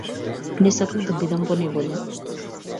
Не сакав да бидам во неволја.